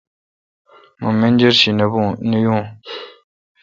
مہ منجر شی نہ یون